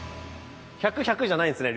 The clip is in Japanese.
１００１００じゃないんですね